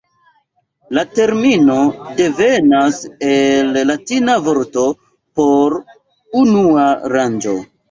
La termino devenas el latina vorto por "unua rango".